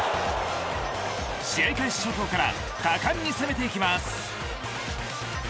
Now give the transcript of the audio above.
試合開始直後から果敢に攻めていきます。